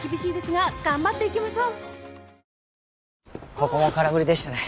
ここも空振りでしたね。